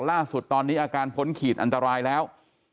ล่าสุดตอนนี้อาการพ้นขีดอันตรายแล้ว